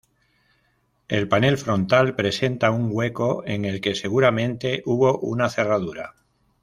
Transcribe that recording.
El panel frontal presenta un hueco en el que seguramente hubo una cerradura.